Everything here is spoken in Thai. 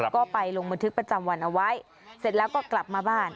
ก็ไปลงบันทึกประจำวันเอาไว้เสร็จแล้วก็กลับมาบ้าน